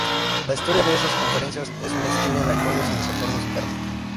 La historia de esas Conferencias es una historia de acuerdos y desacuerdos internos.